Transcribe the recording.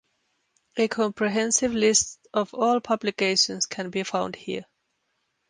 A comprehensive list of all publications can be found here.